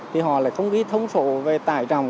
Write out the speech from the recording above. thì họ lại không ghi thông số về tải trọng